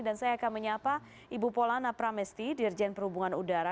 dan saya akan menyapa ibu polana pramesti dirjen perhubungan udara